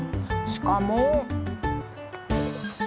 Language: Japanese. しかも。